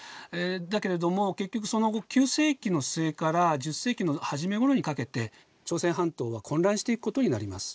だけれども結局その後９世紀の末から１０世紀の初め頃にかけて朝鮮半島は混乱していくことになります。